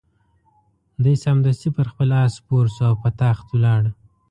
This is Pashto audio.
دی سمدستي پر خپل آس سپور شو او په تاخت ولاړ.